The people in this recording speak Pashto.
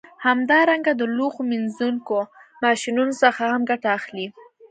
همدارنګه له لوښو مینځونکو ماشینونو څخه هم ګټه اخلي